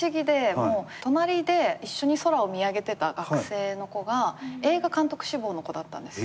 隣で一緒に空を見上げてた学生の子が映画監督志望の子だったんですよ。